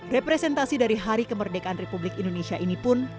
representasi dari hari kemerdekaan republik indonesia ini pun